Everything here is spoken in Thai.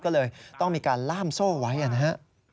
ก็เลยต้องมีการล่ามโซ่ไว้นะฮะ